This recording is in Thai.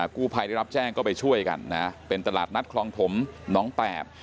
กู้ภัยได้รับแจ้งก็ไปช่วยกันนะเป็นตลาดนัดคลองถมน้องแปด